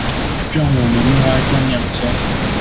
讓我們默哀三秒鐘